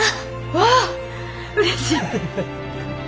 わあうれしい。